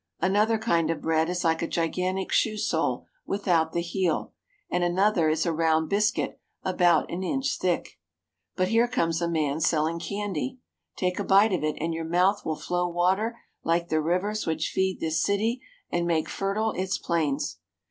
Another kind of bread is like a gigantic shoe sole without the heel, and another is a round biscuit about an inch thick. But here comes a man selling candy. Take a bite of it and your mouth will flow water like the rivers which feed this city and make fertile its plains.